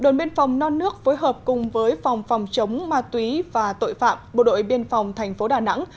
đồn biên phòng non nước phối hợp cùng với phòng phòng chống ma túy và tội phạm bộ đội biên phòng thành phố đà nẵng